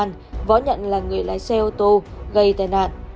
minh nhờ võ nhận là người lái xe ô tô gây tai nạn